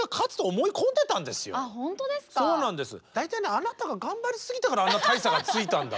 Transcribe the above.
大体ねあなたが頑張りすぎたからあんな大差がついたんだ。